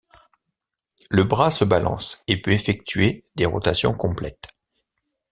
Le bras se balance et peut effectuer des rotations complètes.